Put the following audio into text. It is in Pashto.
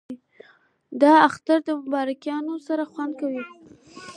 د اختر مبارکیانو سره خوند کوي